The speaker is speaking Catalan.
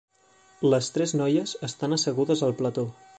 Les tres noies estan assegudes al plató.